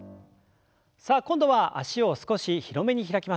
さあ今度は脚を少し広めに開きます。